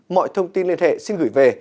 mọi thông tin liên hệ xin gửi về